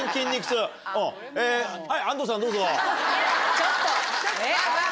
ちょっと！